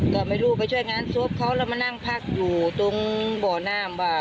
ก็ไม่รู้ไปช่วยงานศพเขาแล้วมานั่งพักอยู่ตรงบ่อน้ำว่า